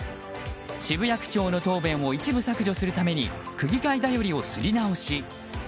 渋谷区長の答弁を一部削除するために区議会だよりを刷り直し。